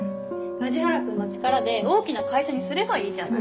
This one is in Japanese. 梶原くんの力で大きな会社にすればいいじゃない。